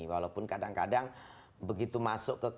walaupun kadang kadang begitu masuk ke